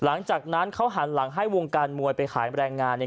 หลังจากนั้นเขาหันหลังให้วงการมวยไปขายแรงงานเนี่ย